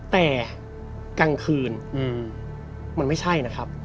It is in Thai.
แต่กลางคืนมันไม่ใช่นะครับ